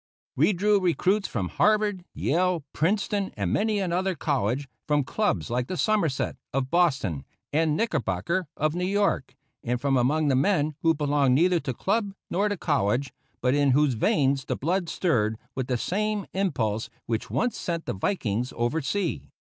We drew recruits from Harvard, Yale, Princeton, and many another college; from clubs like the Somerset, of Boston, and Knickerbocker, of New York; and from among the men who belonged neither to club nor to college, but in whose veins the blood stirred with the same impulse which once sent the Vikings over sea.